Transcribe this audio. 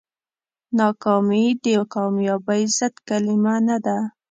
ناکامي د کامیابۍ ضد کلمه نه ده.